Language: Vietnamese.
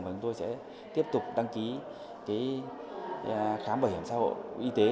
và chúng tôi sẽ tiếp tục đăng ký khám bảo hiểm xã hội y tế